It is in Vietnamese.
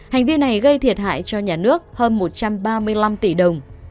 hành vi này gây thiệt hại cho nhà nước hơn một trăm ba mươi năm tỷ đồng